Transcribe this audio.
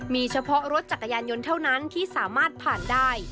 มีเฉพาะรถจักรยานยนต์เท่านั้นที่สามารถผ่านได้